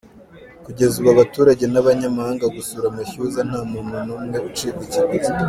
Kugeza ubu abaturage n’abanyamahanga gusura amashyuza nta muntu n’umwe ucibwa ikiguzi.